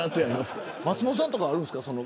松本さんとかあるんですか。